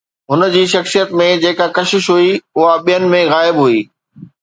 هن جي شخصيت ۾ جيڪا ڪشش هئي، اها ٻين ۾ غائب هئي